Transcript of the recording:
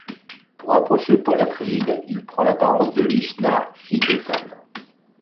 Pour approcher Paul Atréides, il prend l’apparence de Lichna, fille d’Otheym.